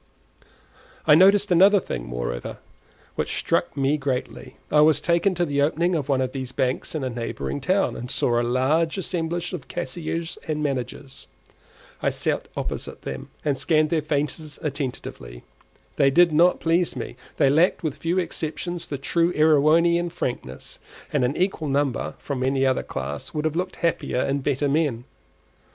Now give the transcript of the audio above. I noticed another thing, moreover, which struck me greatly. I was taken to the opening of one of these banks in a neighbouring town, and saw a large assemblage of cashiers and managers. I sat opposite them and scanned their faces attentively. They did not please me; they lacked, with few exceptions, the true Erewhonian frankness; and an equal number from any other class would have looked happier and better men.